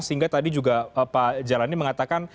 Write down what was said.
sehingga tadi juga pak jaran ini mengatakan